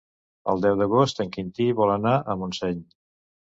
El deu d'agost en Quintí vol anar a Montseny.